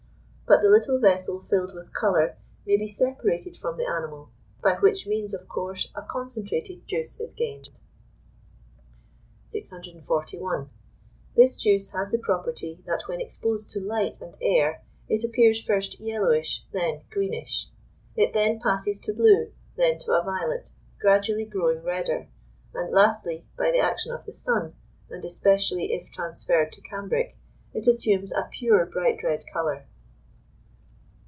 But the little vessel filled with colour may be separated from the animal, by which means of course a concentrated juice is gained. 641. This juice has the property that when exposed to light and air it appears first yellowish, then greenish; it then passes to blue, then to a violet, gradually growing redder; and lastly, by the action of the sun, and especially if transferred to cambric, it assumes a pure bright red colour.